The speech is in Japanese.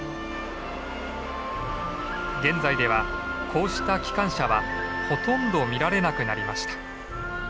現在ではこうした機関車はほとんど見られなくなりました。